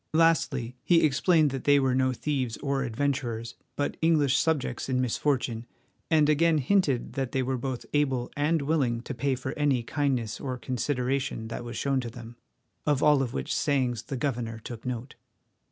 Lastly, he explained that they were no thieves or adventurers, but English subjects in misfortune, and again hinted that they were both able and willing to pay for any kindness or consideration that was shown to them, of all of which sayings the governor took note.